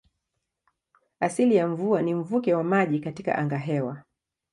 Asili ya mvua ni mvuke wa maji katika angahewa.